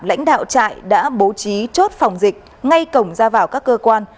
lãnh đạo trại đã bố trí chốt phòng dịch ngay cổng ra vào các cơ quan